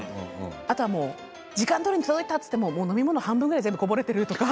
あと時間どおりに届いたといっても飲み物が半分ぐらい全部こぼれているとか。